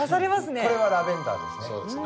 これはラベンダーですね。